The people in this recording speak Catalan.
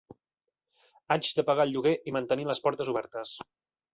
Haig de pagar el lloguer i mantenir les portes obertes.